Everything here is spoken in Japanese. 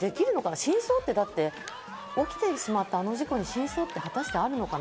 真相って、だって起きてしまったあの事故に真相って果たしてあるのかな？